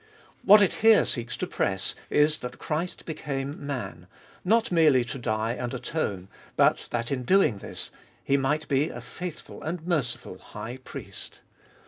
What it here seeks to press, is that Christ became Man, not merely to die and atone, but that in doing this, He might be a faithful and merciful High Priest.